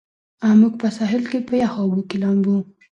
موږ په ساحل کې په یخو اوبو کې لامبو کوو.